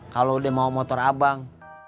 kalau dia mau motor abang